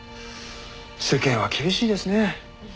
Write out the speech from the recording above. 世間は厳しいですね。